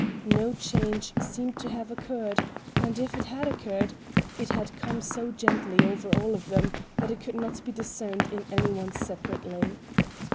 No change seemed to have occurred, and if it had occurred, it had come so gently over all of them that it could not be discerned in any one separately.